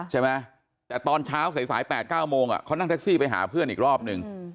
ใช่ไหมแต่ตอนเช้าสาย๘๙โมงเขานั่งแท็กซี่ไปหาเพื่อนอีกรอบนึง